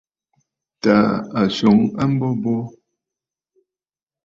Tàà a swoŋ a mbo bo.